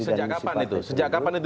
dan misi partai perindo